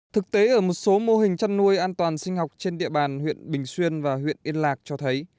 thực tế ở một số mô hình chăn nuôi an toàn sinh học trên địa bàn huyện bình xuyên và huyện yên lạc cho thấy